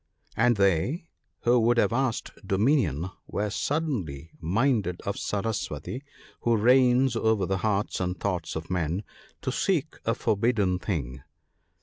"And they, who would have asked dominion, were suddenly minded of Saraswati ( 103 )— who reigns over the hearts and thoughts of men— to seek a forbidden thing.